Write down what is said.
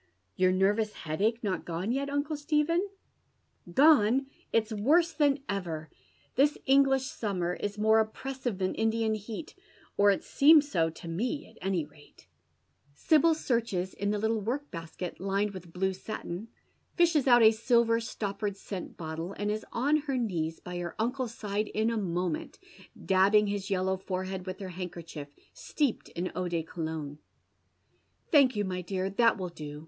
"^^" Your nervous headache not gone yet, tmcle Stephen ?"" Gone I It's worse than ever. This English sununer is mora oppressive than Indian heat, or it Booma so to mo &x tuiy rate," 6§ Dead Men's Shoes. Sibyl searches in the little work basket lined with blue satin, fislies out a silver stoppered scent bottle, and is on her knees hy lier uncle's side in a moment, dabbing his yellow forehead with her handkerchief steeped in eau de Cologne. " Thank you, my dear, that will do.